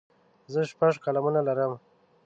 زه شپږ قلمونه لرم.